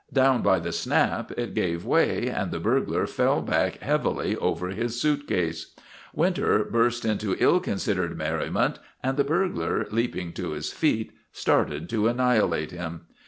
Down by the snap it gave way. and the burglar fell back heavily over his suitcase. Winter burst into ill considered merriment, and the burglar, leaping to his feet, started to annihilate him.